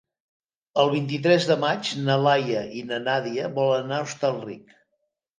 El vint-i-tres de maig na Laia i na Nàdia volen anar a Hostalric.